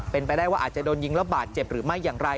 เป็นไปได้ว่าอาจจะโดนยิงแล้วบาดเจ็บหรือไม่อย่างไร